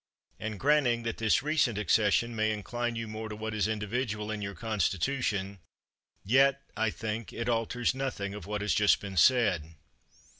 And granting that this recent accession may incline you more to what is individual in your constitution; yet, I think, it alters nothing of what has just been said.